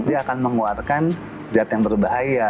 dia akan mengeluarkan zat yang berbahaya